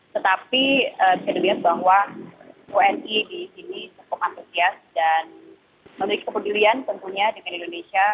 tetapi bisa dilihat bahwa wni di sini cukup antusias dan memiliki kepedulian tentunya dengan indonesia